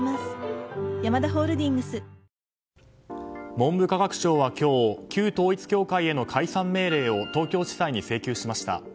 文部科学省は今日旧統一教会への解散命令を東京地裁に請求しました。